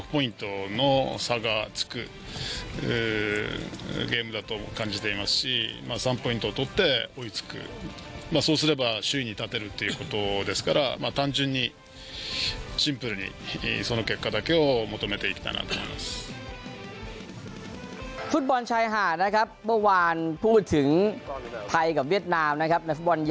ภูตบอลชายหาดนะครับเมื่อวานพูดถึงไทยกับเวียดนามนะครับและภูตบอลใหญ่มากนะครับ